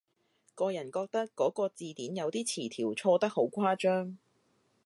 個人覺得嗰個字典有啲詞條錯得好誇張